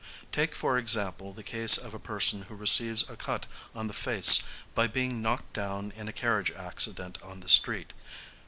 Take, for example, the case of a person who receives a cut on the face by being knocked down in a carriage accident on the street.